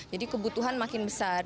jadi kebutuhan makin besar